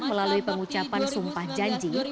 melalui pengucapan sumpah janji